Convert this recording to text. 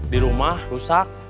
di rumah rusak